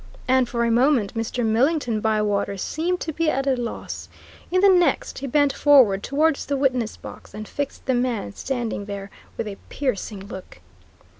And for a moment Mr. Millington Bywater seemed to be at a loss; in the next he bent forward toward the witness box and fixed the man standing there with a piercing look.